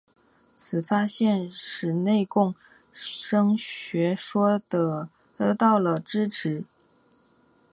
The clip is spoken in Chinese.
此发现使内共生学说得到了支持。